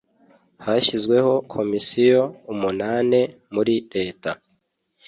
Hashyizweho komisiyo umunane muri leta